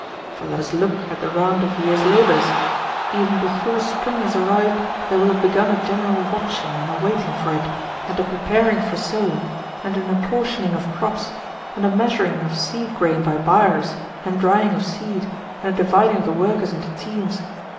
For let us look at the round of the year's labours. Even before spring has arrived there will have begun a general watching and a waiting for it, and a preparing for sowing, and an apportioning of crops, and a measuring of seed grain by byres, and drying of seed, and a dividing of the workers into teams.